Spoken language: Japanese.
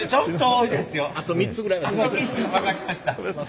あと３つ分かりました。